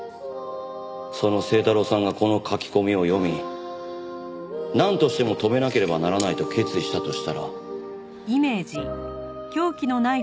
その清太郎さんがこの書き込みを読みなんとしても止めなければならないと決意したとしたら。